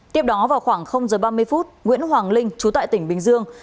tiếp đó vào khoảng giờ ba mươi phút nguyễn hoàng linh trú tại tỉnh bình dương